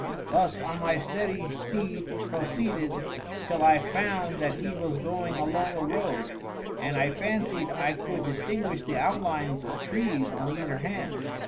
Thus on my steady steed proceeded, till I found that he was going along a road, and I fancied I could distinguish the outlines of trees on either hand.